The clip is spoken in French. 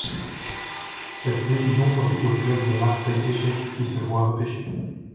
Cette décision profite au club de Marseille Échecs, qui se voit repêché.